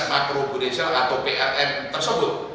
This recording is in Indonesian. makroprudential atau prm tersebut